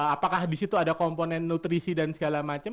apakah di situ ada komponen nutrisi dan segala macam